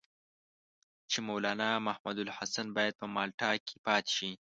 چې مولنا محمودالحسن باید په مالټا کې پاتې شي.